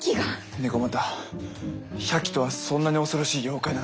猫又百鬼とはそんなに恐ろしい妖怪なのか？